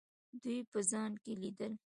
دوی په ځان کې لیدل.